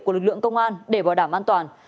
của lực lượng công an để bảo đảm an toàn